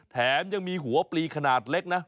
แถมยังมีหัวปลีขนาดเล็กนะ